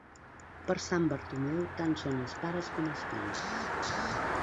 Per Sant Bartomeu, tant són els pares com els fills.